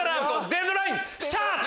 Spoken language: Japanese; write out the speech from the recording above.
デッドライン！スタート。